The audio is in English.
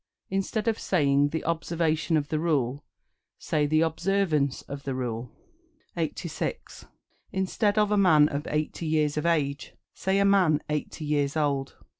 Instead of saying "The observation of the rule," say "The observance of the rule." 86. Instead of "A man of eighty years of age," say "A man eighty years old."